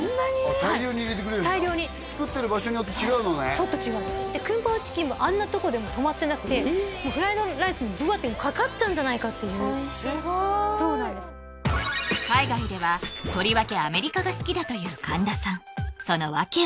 大量に入れてくれるんだ作ってる場所によって違うのねちょっと違うんですでクンパオチキンもあんなとこでとまってなくてフライドライスにブワッてかかっちゃうんじゃないかっておいしそうすごい海外ではとりわけアメリカが好きだという神田さんその訳は？